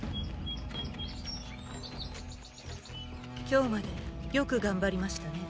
今日までよく頑張りましたね。